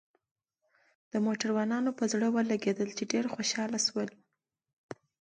د موټروانانو په زړه ولګېدل، چې ډېر خوشاله شول.